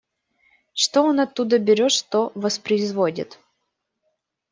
Что он оттуда берет, что воспроизводит.